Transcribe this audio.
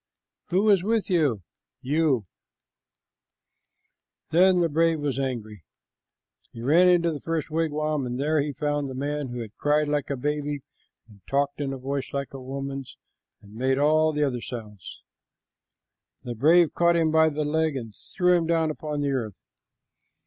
"Who is with you?" "You." Then the young brave was angry. He ran into the first wigwam, and there he found the man who had cried like a baby and talked in a voice like a woman's and made all the other sounds. The brave caught him by the leg and threw him down upon the earth.